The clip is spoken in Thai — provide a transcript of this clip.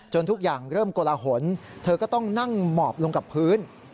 ทุกอย่างเริ่มกลหนเธอก็ต้องนั่งหมอบลงกับพื้น